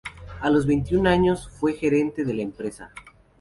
A los veintiún años fue gerente de la empresa.